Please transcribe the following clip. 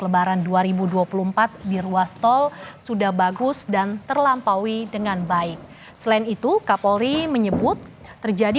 sudah mengang bhagwu dan terlampaui dengan baik selain itu kapolri menyebut terjadi